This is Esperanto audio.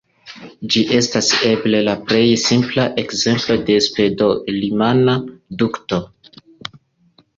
Ĝi estas eble la plej simpla ekzemplo de pseŭdo-rimana dukto.